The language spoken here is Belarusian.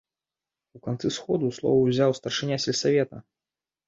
У канцы сходу слова ўзяў старшыня сельсавета.